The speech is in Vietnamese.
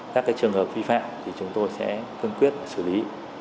các cái trường hợp vi phạm thì chúng tôi sẽ cân quyết xử lý